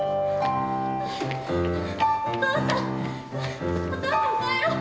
お父さんお父さん帰ろう！